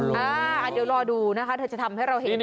เดี๋ยวรอดูนะคะเธอจะทำให้เราเห็น